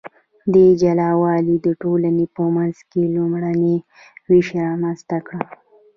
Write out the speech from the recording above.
دې جلا والي د ټولنې په منځ کې لومړنی ویش رامنځته کړ.